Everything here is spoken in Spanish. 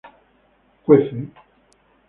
cuece